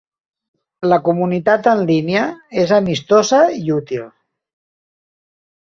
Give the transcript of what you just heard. La comunitat en línia és amistosa i útil.